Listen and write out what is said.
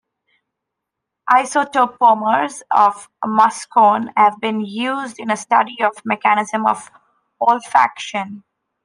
Isotopomers of muscone have been used in a study of the mechanism of olfaction.